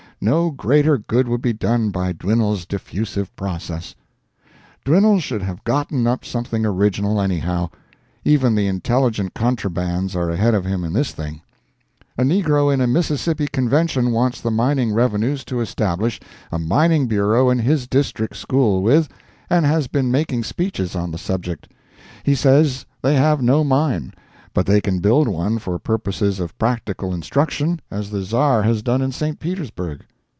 No greater good would be done by Dwinelle's diffusive process. Dwinelle should have gotten up something original, anyhow. Even the intelligent contrabands are ahead of him in this thing. A negro in a Mississippi Convention wants the mining revenues to establish a Mining Bureau in his district school with, and has been making speeches on the subject. He says they have no mine, but they can build one for purposes of practical instruction, as the Czar has done in St. Petersburg.